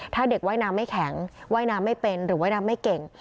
ถ้าเด็กว่ายน้ำไม่แข็งว่ายน้ำไม่เป็นหรือว่ายน้ำไม่เก่ง